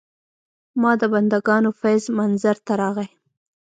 د ما بندګانو فیض منظر ته راغی.